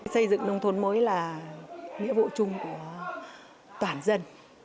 xây dựng nông thôn mới là nghĩa vụ chung của toàn dân